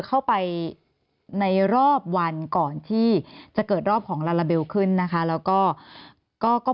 เข้าไปในรอบวันก่อนที่จะเกิดรอบของลาลาเบลขึ้นนะคะแล้วก็ก็